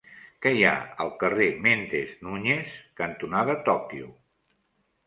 Què hi ha al carrer Méndez Núñez cantonada Tòquio?